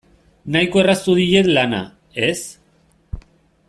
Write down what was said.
Nahiko erraztu diet lana, ez?